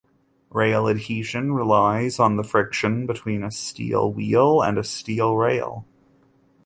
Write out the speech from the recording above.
Rail adhesion relies on the friction between a steel wheel and a steel rail.